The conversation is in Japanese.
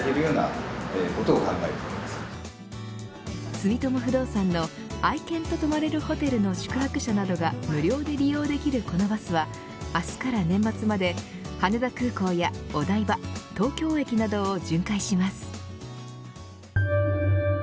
住友不動産の愛犬と泊まれるホテルの宿泊者などが無料で利用できるこのバスは明日から年末まで羽田空港やお台場、東京駅などを巡回します。